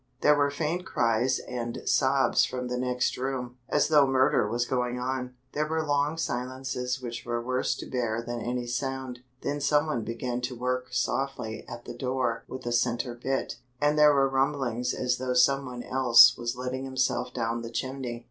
There were faint cries and sobs from the next room, as though murder was going on; there were long silences which were worse to bear than any sound; then someone began to work softly at the door with a centre bit, and there were rumblings as though someone else was letting himself down the chimney.